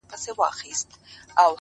نه په مسجد- په درمسال- په کليسا کي نسته-